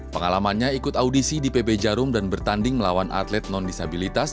pengalamannya ikut audisi di pb jarum dan bertanding melawan atlet non disabilitas